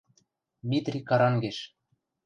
Митри карангеш.